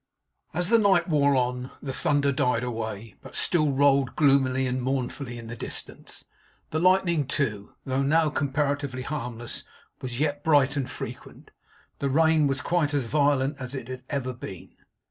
As the night wore on, the thunder died away, but still rolled gloomily and mournfully in the distance. The lightning too, though now comparatively harmless, was yet bright and frequent. The rain was quite as violent as it had ever been.